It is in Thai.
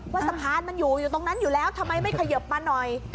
สะพานมันอยู่อยู่ตรงนั้นอยู่แล้วทำไมไม่เขยิบมาหน่อย